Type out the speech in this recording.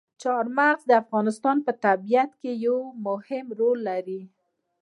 چار مغز د افغانستان په طبیعت کې یو مهم رول لري.